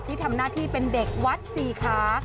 ที่ทำหน้าที่เป็นเด็กวัดสี่ขา